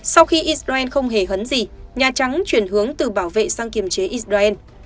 sau khi israel không hề hấn gì nhà trắng chuyển hướng từ bảo vệ sang kiềm chế israel